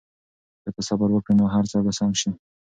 که ته صبر وکړې نو هر څه به سم شي.